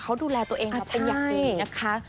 เขาดูแลตัวเองมาเป็นอย่างดีนะคะ